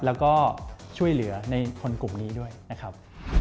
แล้วก็ช่วยเหลือในคนกลุ่มนี้ด้วยนะครับ